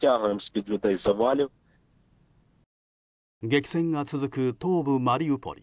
激戦が続く東部マリウポリ。